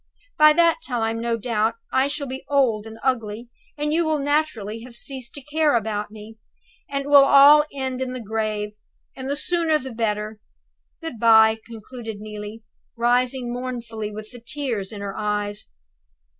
By that time, no doubt, I shall be old and ugly, and you will naturally have ceased to care about me, and it will all end in the grave, and the sooner the better. Good by," concluded Neelie, rising mournfully, with the tears in her eyes.